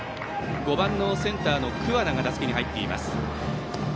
５番、センターの桑名が打席に入っています。